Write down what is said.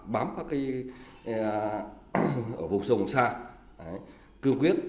bám các cây ở vùng sông xa cư quyết